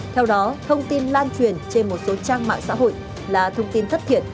theo đó thông tin lan truyền trên một số trang mạng xã hội là thông tin thất thiệt